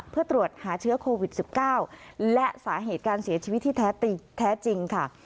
เพื่อตรวจหาเชื้อโควิด๑๙และสาเหตุการเสียชีวิตที่แท้จริงค่ะ